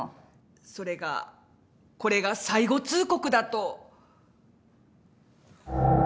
それがこれが最後通告だと。